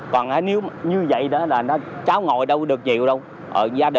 còn nếu như vậy cháu ngồi đâu được nhiều đâu